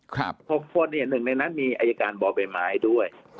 ๖คนหนึ่งในนั้นมีอายการบ่อใบไม้ด้วย